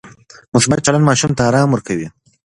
مثبت چلند ماشوم ته ارام ورکوي.